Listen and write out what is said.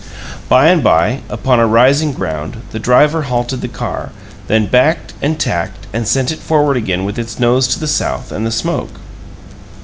By and by, upon a rising ground, the driver halted the car, then backed and tacked, and sent it forward again with its nose to the south and the smoke.